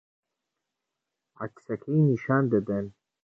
عەکسەکەی نیشان دەدەن